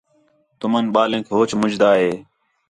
تُُمن بالینک ہوچ منجھ دا ہِے